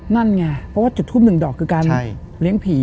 นั่นไงเพราะว่าจุดทูปหนึ่งดอกคือการเลี้ยงผี